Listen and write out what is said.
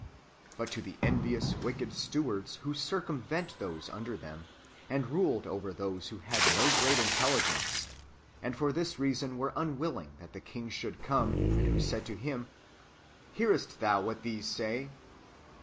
"* But to the envious wicked stewards, who circumvented those under them, and ruled over those that had no great intelh'gence,'^ and for this reason were unwilling that the king should come, and who said to Him, ^' Hearest thou what these say